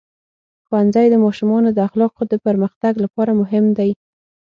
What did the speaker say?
ښوونځی د ماشومانو د اخلاقو د پرمختګ لپاره مهم دی.